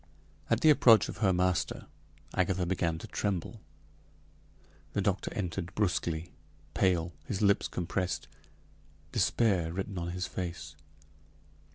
At the approach of her master, Agatha began to tremble. The doctor entered brusquely, pale, his lips compressed, despair written on his face.